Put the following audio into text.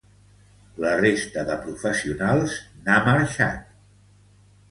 La resta de professionals n'ha marxat.